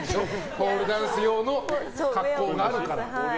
ポールダンス用の格好があるから。